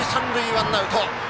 ワンアウト。